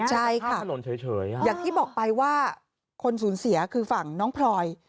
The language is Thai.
ใช่ค่ะอย่างที่บอกไปว่าคนสูญเสียคือฝั่งน้องพลอย